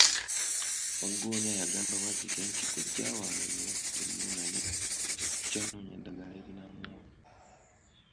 Waggoonya yagamba Wazzike nti, Kojja wange mulwadde nnyo naye tukyanoonya ddagala erinamuwonya.